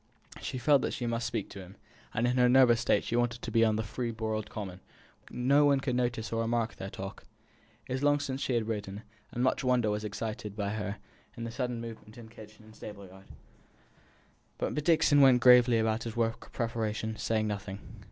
She felt that she must speak to him, and in her nervous state she wanted to be out on the free broad common, where no one could notice or remark their talk. It was long since she had ridden, and much wonder was excited by the sudden movement in kitchen and stable yard. But Dixon went gravely about his work of preparation, saying nothing.